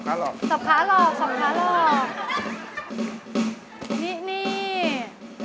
แค่นี้ก็เทแล้วรูค